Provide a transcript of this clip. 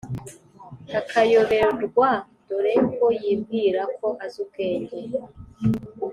akayoberwa dore ko yibwira ko azi ubwenge”!